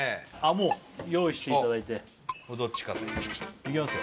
もう用意していただいてどっちかっていういきますよ